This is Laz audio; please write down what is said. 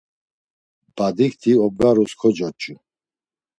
Badikti obgarus kocoç̌u.